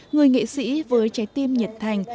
người nghệ sĩ với trái tim nhiệt thành